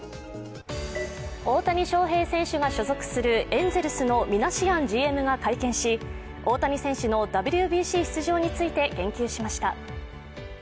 大谷翔平選手が所属するエンゼルスのミナシアンＧＭが会見し大谷選手のＷＢＣ出場について言及しました。